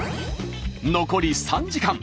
残り３時間。